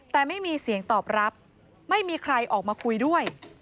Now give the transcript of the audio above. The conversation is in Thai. แต่ไม่มีเสียงตอบรับไม่มีใครออกมาคุยด้วย